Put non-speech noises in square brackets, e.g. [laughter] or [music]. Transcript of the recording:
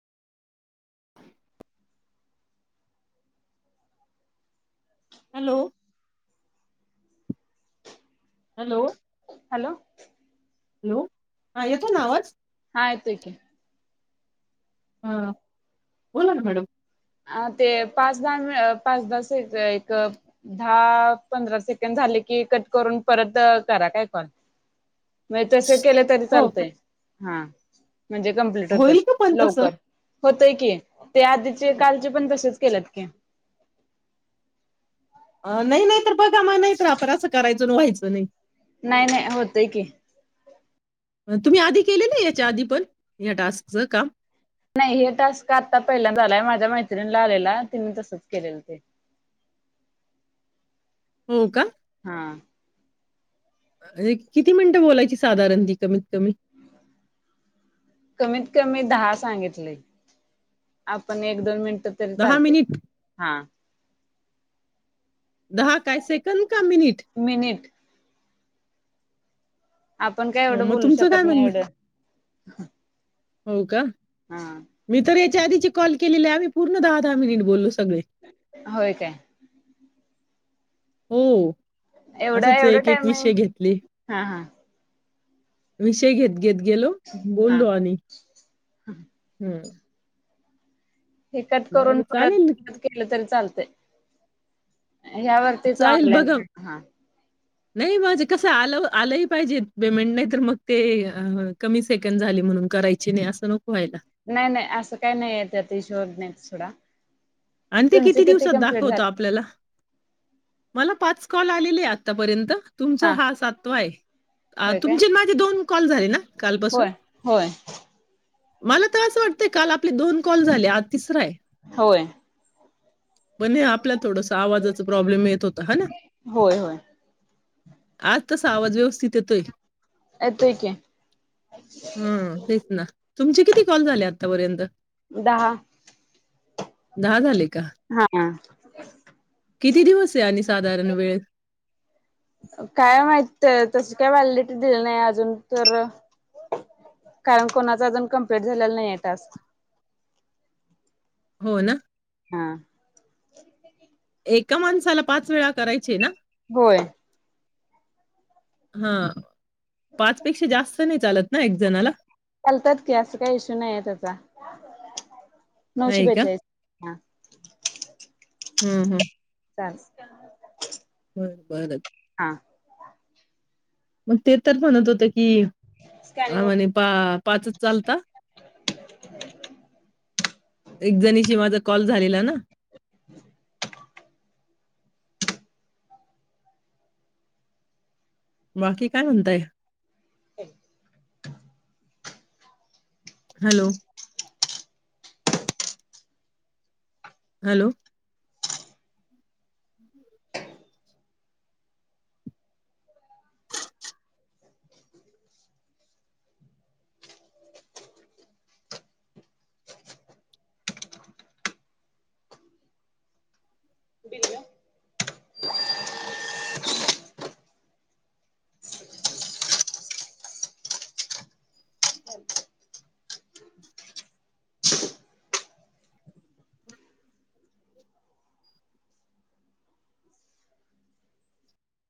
Hello hello hello hello हा येतो ना आवाज हा येतोय की हा बोला ना मॅडम हा ते पाच दहा पाच दहा सेक म्हणजे तस केल तरी हो चालतय. हा. म्हणजे कंप्लीट होतात. होईल का पण तसं लवकर हो - - होतय की ते आधीच कालचे पण तसेच केल्यात की. अ नाही नाही तर बघा मग नाहीत आपण असं करायचं व्हायचं नाही. नाही नाही होतय की. तुम्ही आधी केले ना याच्या आधी पण या टास्कच काम. नाही हे टास्क आता पहिल्या झालाय माझ्या मैत्रिणीला आलेला तिने तसच केलेलं ते. हो का? हा. किती मिनिटं बोलायची साधारण ती कमीत कमी? कमीत कमी दहा सांगितले. आपण एक दोन मिनट - - तरी दहा चालतय. मिनिट हा दहा काय सेकंद का मिनिट? मिनिट आपण काय अ, एवढं मग बोलू तुमचं काय शकत नाही म्हणणं एवढं. हो का. हा आधचे कॉल केलेले आम्ही पूर्ण दहा दहा मिनिट बोललो. सगळे होय काय? हो एवढं असंच एवढं एक एक टायमिंग विषय घेतले. हा हा विषय घेत. घेत गेलो हा बोललो आणि हम् हे कट बरं करून परत चालेल परत केलं तरी - - चालतय. ह्या वरतीच जाईल ऑनलाईन बघा. हा नाही माझे कस आलं आलंही पाहिजे पेमेंट नाही तर मग ते कमी सेकंड झाले म्हणून करायची नाही असं नको. व्हायला. नाही नाही असं काही नाही. त्यात इशू होत नाही. सोडा आणि ते तुमचे किती दिवसात कम्प्लीट दाखवत झाले आपल्याला? मला पाच कॉल आलेले आहे आतापर्यंत. तुमचा हा सातव आहे होय काय तुमचे माझे दोन - - कॉल झालेे ना कालपासून? होय होय. मला तर असं वाटतंय काल आपले दोन कॉल झाले आज तिसरा हाय. होय. पण हे आपल्या थोडसं आवाजाचा प्रॉब्लेम येत होता हो ना होय होय आज तसा आवाज व्यवस्थित येतोय. येतोय की हं, तेच ना. तुमचे किती कॉल झाले आत्तापर्यंत? दहा. दहा झाले का? हा किती दिवस आहे आणि साधारण वेळ? काय माहित तशी काय व्हॅलिडिटी दिली नाही अजून तर कारण कोणाच अजून कंम्प्लीट झालेला नाहीय टास्क. हो ना हं एका माणसाला पाच वेळा करायचे ना? होय. हां पाच पेक्षा जास्त नाही चालत् नाय एकजणाला चालतात कि असं काही इशू नाहीय त्याचा. नऊशे नाही का? बेचाळीस हं हम्म हम्म चाल् बर बरं हं म् ते तर म्हणत होते की आ स्कॅनिंग म्हणे पा् पाचच चालंत [inaudible] एकजणीशी माझा कॉल झालेला ना [inaudible] बाकी काय म्हणताय? [inaudible] Hello hello bill [inaudible]